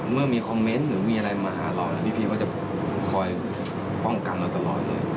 เมื่อมีคอมเมนต์หรือมีอะไรมาหาเราพี่ก็จะคอยป้องกันเราตลอดเลย